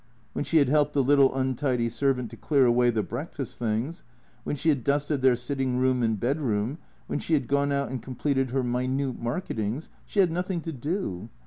When she had helped the little untidy servant to clear away the breakfast things; when she had dusted their sitting room and bedroom ; when she had gone out and completed her minute marketings, she had nothing to do.